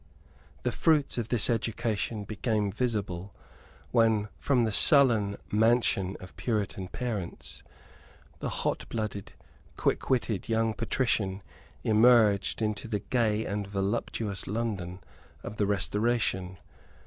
The fruits of this education became visible, when, from the sullen mansion of Puritan parents, the hotblooded, quickwitted young patrician emerged into the gay and voluptuous London of the Restoration.